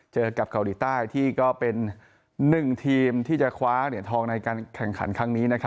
เจอกับเกาหลีใต้ที่ก็เป็น๑ทีมที่จะคว้าเหรียญทองในการแข่งขันครั้งนี้